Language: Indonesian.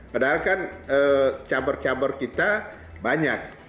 padahal kan cabar cabar kita banyak